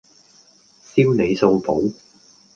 燒你數簿